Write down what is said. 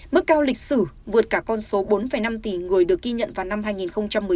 mức cao lịch sử vượt cả con số bốn năm tỷ người được ghi nhận vào năm hai nghìn một mươi chín